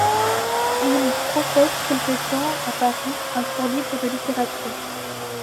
Il professe quelque temps à Paris un cours libre de littérature.